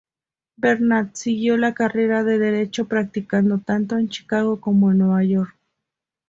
Bernard siguió la carrera de derecho practicando tanto en Chicago como en Nueva York.